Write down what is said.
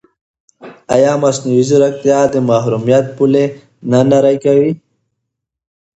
ایا مصنوعي ځیرکتیا د محرمیت پولې نه نری کوي؟